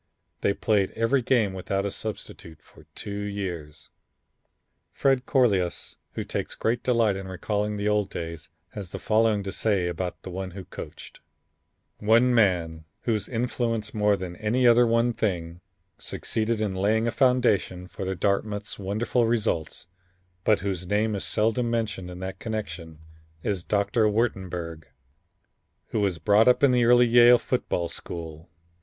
They played every game without a substitute for two years. Fred Crolius, who takes great delight in recalling the old days, has the following to say about one who coached: "One man, whose influence more than any other one thing, succeeded in laying a foundation for Dartmouth's wonderful results, but whose name is seldom mentioned in that connection is Doctor Wurtenberg, who was brought up in the early Yale football school.